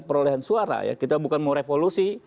perolehan suara ya kita bukan mau revolusi